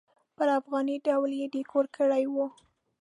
پر افغاني ډول یې ډیکور کړی و.